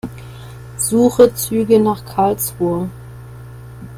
Suche Züge nach Karlsruhe.